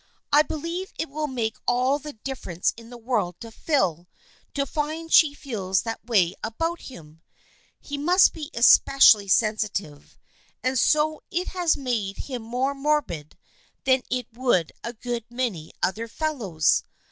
" I believe it will make all the dif ference in the world to Phil to find that she feels that way about him. He must be especially sen sitive, and so it has made him more morbid than it would a good many other fellows.